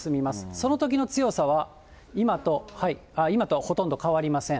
そのときの強さは、今とほとんど変わりません。